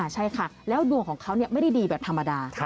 ใช่ค่ะแล้วดวงของเขาไม่ได้ดีแบบธรรมดา